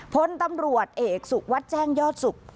พลตำรวจเอกสุวัสดิ์แจ้งยอดสุข